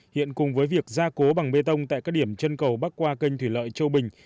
hiện cùng với việc gia cố bằng bê tông tại các điểm chân cầu bắc qua kênh thủy lợi châu bình